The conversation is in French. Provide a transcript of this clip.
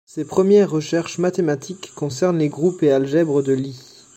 Ses premières recherches mathématiques concernent les groupes et algèbres de Lie.